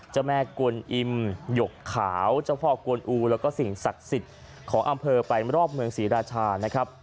เจ้าแม่กวนอิมหยกขาวเจ้าพ่อกวนอูแล้วก็สิ่งศักดิ์สิทธิ์ของอำเภอไปรอบเมืองศรีราชานะครับ